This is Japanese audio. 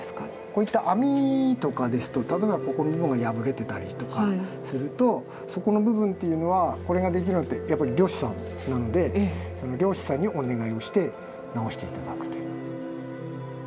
こういった網とかですと例えばここの部分が破れてたりとかするとそこの部分というのはこれができるのってやっぱり漁師さんなので漁師さんにお願いをして直して頂くと。